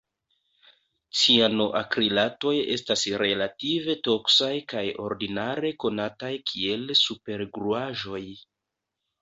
Cianoakrilatoj estas relative toksaj kaj ordinare konataj kiel supergluaĵoj.